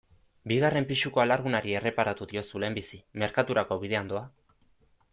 Bigarren pisuko alargunari erreparatu diozu lehenbizi, merkaturako bidean doa.